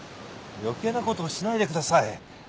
余計なことをしないでください。